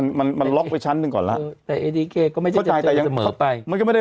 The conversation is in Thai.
ตามตอนนี้คืออยู่ไม่ได้